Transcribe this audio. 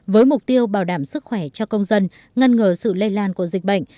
với mục tiêu bảo đảm sức khỏe cho công dân ngăn ngừa sự lây lan của dịch bệnh